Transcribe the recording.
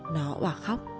nó bỏ khóc